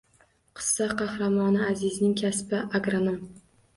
Qissa qahramoni Azizning kasbi agronom